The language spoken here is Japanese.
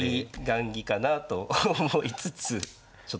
雁木かなと思いつつちょっと。